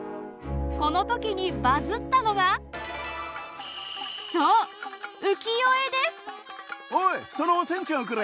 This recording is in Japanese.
この時にバズったのがおいそのお仙ちゃんをくれ！